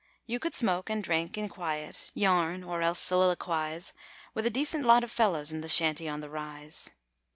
You could smoke and drink in quiet, yarn, or else soliloquise, With a decent lot of fellows in the Shanty on the Rise.